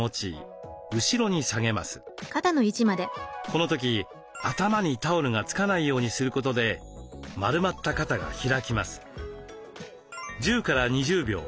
この時頭にタオルがつかないようにすることで丸まった肩が開きます。